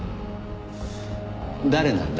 誰なんだ？